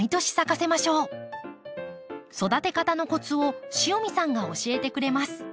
育て方のコツを塩見さんが教えてくれます。